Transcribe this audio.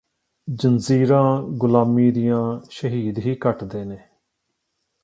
ਜੰਜ਼ੀਰਾਂ ਗੁਲਾਮੀ ਦੀਆਂ ਸ਼ਹੀਦ ਹੀ ਕੱਟਦੇ ਨੇ